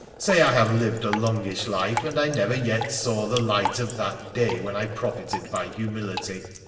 Say I have lived a longish life, and I never yet saw the light of that day when I profited by humility.